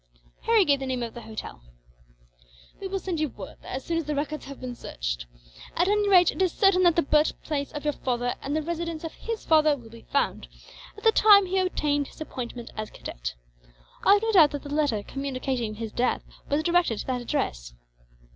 Harry gave the name of the hotel. "We will send you word there, as soon as the records have been searched. At any rate, it is certain that the birthplace of your father and the residence of his father will be found, at the time he obtained his appointment as cadet. I have no doubt that the letter communicating his death was directed to that address."